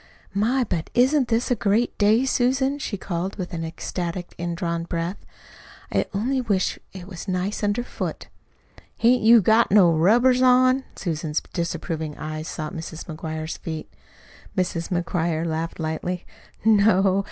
"My, but isn't this a great day, Susan!" she called, with an ecstatic, indrawn breath. "I only wish it was as nice under foot." "Hain't you got no rubbers on?" Susan's disapproving eyes sought Mrs. McGuire's feet. Mrs. McGuire laughed lightly. "No.